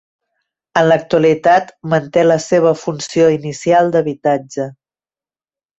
En l'actualitat manté la seva funció inicial d'habitatge.